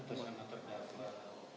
ada perangkapan ini